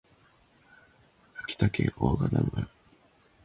秋田県大潟村